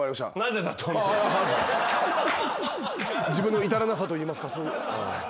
自分の至らなさといいますかすいません。